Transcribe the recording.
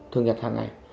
thường nhật hàng ngày